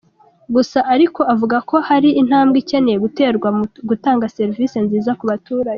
Gusa ariko avuga ko hari intambwe ikeneye guterwa mu gutanga serivisi nziza ku baturage.